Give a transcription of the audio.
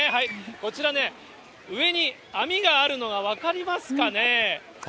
こちらね、上に網があるのが分かりますかね。